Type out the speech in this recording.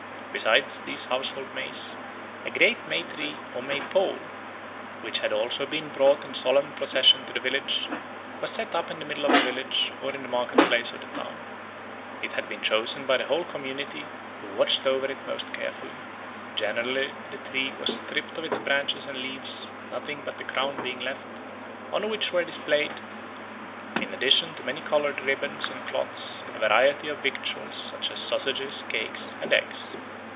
Besides these household Mays, a great May tree or May pole, which had also been brought in solemn procession to the village, was set up in the middle of the village or in the market place of the town. It had been chosen by the whole community, who watched over it most carefully. Generally the tree was stripped of its branches and leaves, nothing but the crown being left, on which were displayed, in addition to many coloured ribbons and cloths, a variety of victuals such as sausages, cakes, and eggs.